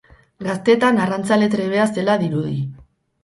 Gaztetan arrantzale trebea zela dirudi.